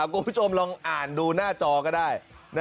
คุณผู้ชมลองอ่านดูหน้าจอก็ได้